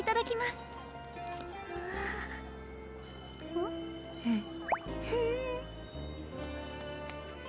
うんんん？